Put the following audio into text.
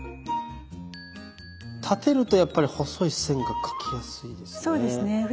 立てるとやっぱり細い線が描きやすいですね。